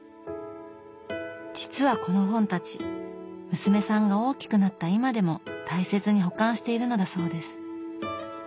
実はこの本たち娘さんが大きくなった今でも大切に保管しているのだそうです。